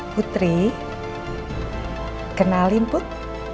putri kenalin put